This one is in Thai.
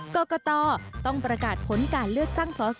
กรกตต้องประกาศผลการเลือกตั้งสอสอ